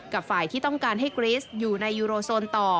ฝ่ายที่ต้องการให้กรีสอยู่ในยูโรโซนต่อ